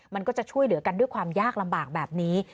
มันก็จะช่วยเหลือกันด้วยความยากลำบากแบบนี้